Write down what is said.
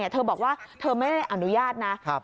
เธอบอกว่าเธอไม่ได้อนุญาตนะ